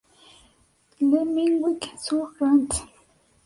Le Minihic-sur-Rance